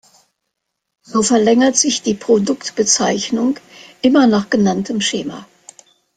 So verlängert sich die Produktbezeichnung immer nach genanntem Schema.